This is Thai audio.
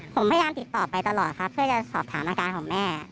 ผมพยายามติดต่อไปตลอดครับเพื่อจะสอบถามอาการของแม่